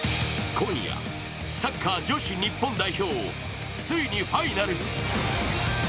今夜、サッカー女子日本代表、ついにファイナル。